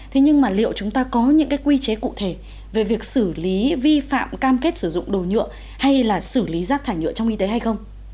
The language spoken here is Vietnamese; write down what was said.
thế nhưng mà liệu chúng ta có những cái quy chế cụ thể về việc xử lý vi phạm cam kết sử dụng đồ nhựa hay là xử lý rác thải nhựa trong y tế hay không